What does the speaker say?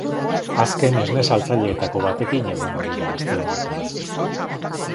Azken esne saltzaileetako batekin egongo dira aste honetan.